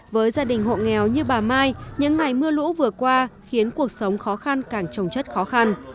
với gia đình hộ nghèo như bà mai những ngày mưa lũ vừa qua khiến cuộc sống khó khăn càng trồng chất khó khăn